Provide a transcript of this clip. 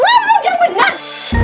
wabung yang benar